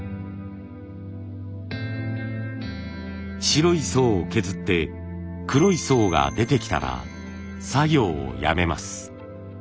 白い層を削って黒い層が出てきたら作業をやめます。